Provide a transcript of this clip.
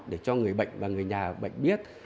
để cho người bệnh và người nhà bệnh biết